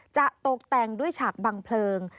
จะตกแต่งด้วยฉากบังเพลิง